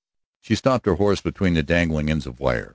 She stopped her horse between the dangling ends of wire.